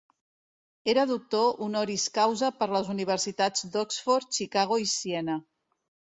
Era doctor honoris causa per les universitats d'Oxford, Chicago i Siena.